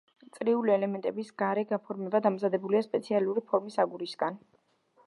წრიული ელემენტების გარე გაფორმება დამზადებულია სპეციალური ფორმის აგურისგან.